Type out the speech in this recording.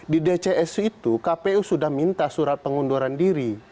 di dcs itu kpu sudah minta surat pengunduran diri